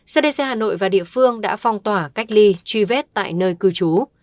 cdc hà nội và địa phương đã phong tỏa cách ly truy vết tại nơi cư trú